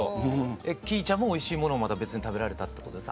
きーちゃんもおいしいものをまた別に食べられたってことですか？